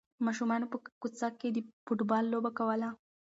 ماشومانو په کوڅه کې د فوټبال لوبه کوله.